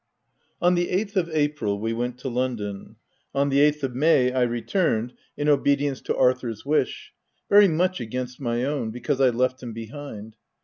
On the eighth of April, we went to London ; on the eighth of May I returned, in obedience to Arthur's wish : very much against my own, because I left him behind.